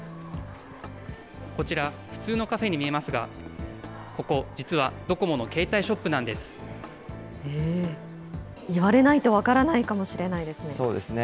こちら、普通のカフェに見えますが、ここ、実はドコモの携帯言われないと分からないかもそうですね。